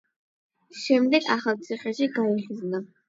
შემდეგ ახალციხეში გაიხიზნა.